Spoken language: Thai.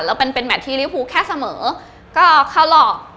แล้วเป็นแมทที่ริภูแค่เสมอก็เข้าหลอก